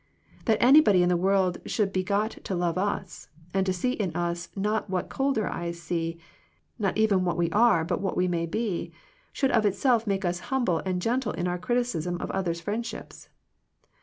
That anybody in the world should be got to love us, and to see in us not what colder eyes see, not even what we are but what we may be, should of itself make us humble and gentle in our criticism of others' friend ships.